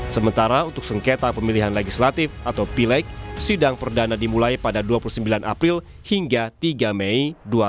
sementara untuk sengketa pemilihan legislatif atau pileg sidang perdana dimulai pada dua puluh sembilan april hingga tiga mei dua ribu dua puluh